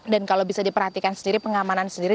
kalau bisa diperhatikan sendiri pengamanan sendiri